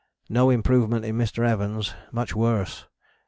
No improvement in Mr. Evans, much worse.